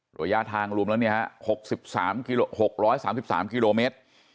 หลัยยาทางลุมแล้วนี่ฮะ๖๓๓กิโลเมตร